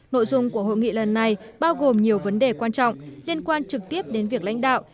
nội dung của hội nghị lần này bao gồm nhiều vấn đề quan trọng liên quan trực tiếp đến việc lãnh đạo